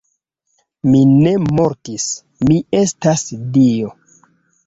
Mi ne mortis, mi estas dio.